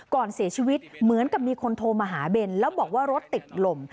ก่อนเสียชีวิตเหมือนกับมีคนโทรมาหาเบนแล้วบอกว่ารถติดลม